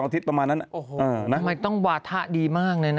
ทำไมต้องวาถะดีมากเลยนะ